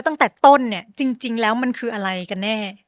ตั้งแต่ต้นเนี่ยจริงแล้วมันคืออะไรกันแน่